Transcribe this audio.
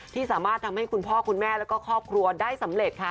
ที่สามารถทำให้คุณพ่อคุณแม่แล้วก็ครอบครัวได้สำเร็จค่ะ